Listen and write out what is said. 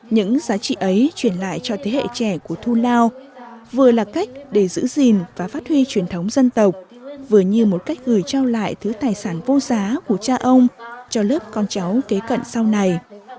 những giá trị ấy truyền lại cho thế hệ trẻ của thu lao vừa là cách để giữ gìn và phát huy truyền thống dân tộc vừa như một cách gửi trao lại thứ tài sản vô giá của cha ông cho lớp con cháu kế cận sau này